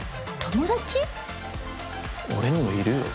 俺にもいるよ